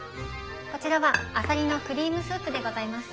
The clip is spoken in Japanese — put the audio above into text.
こちらはあさりのクリームスープでございます。